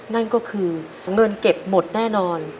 นั่นก็คือเงินเก็บหมดแน่นอน